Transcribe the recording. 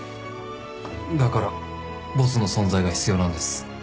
だからボスの存在が必要なんです。